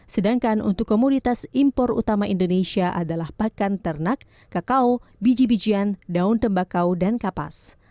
sedangkan untuk komoditas impor utama indonesia adalah pakan ternak kakao biji bijian daun tembakau dan kapas